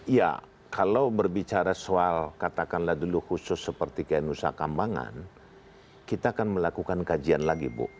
ya kalau berbicara soal katakanlah dulu khusus seperti kayak nusa kambangan kita akan melakukan kajian lagi bu